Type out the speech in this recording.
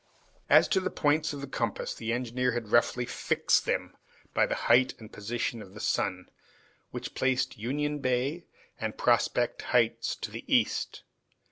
As to the points of the compass, the engineer had roughly fixed them by the height and position of the sun, which placed Union Bay and Prospect Heights to the east.